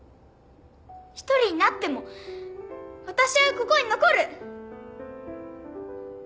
一人になっても私はここに残る！